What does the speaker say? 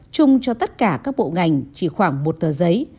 chung cho tất cả các bộ ngành chỉ khoảng một tờ giấy